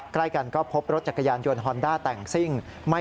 ใกล้กันก็พบรถจักรยานยนต์ฮอนด้าแต่งซิ่ง